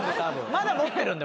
まだ持ってるんで。